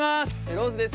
ローズです。